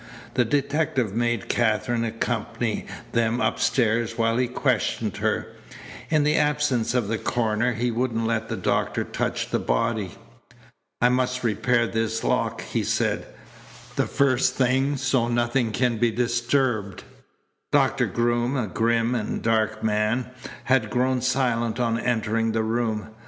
The detective made Katherine accompany them upstairs while he questioned her. In the absence of the coroner he wouldn't let the doctor touch the body. "I must repair this lock," he said, "the first thing, so nothing can be disturbed." Doctor Groom, a grim and dark man, had grown silent on entering the room.